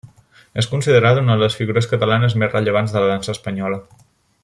És considerada una de les figures catalanes més rellevants de la dansa espanyola.